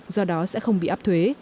do đó sẽ không bị áp thuế